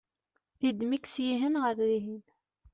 yeddem-ik syihen ɣer dihin